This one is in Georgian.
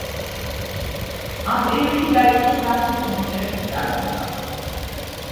ამ პერიოდში დაწყო სახლის კომპიუტერების წარმოება.